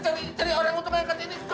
cari orang untuk mengangkat ini